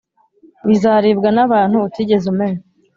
bizaribwa n’abantu utigeze umenya.